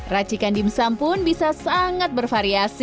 racikan dimsum pun bisa sangat bervariasi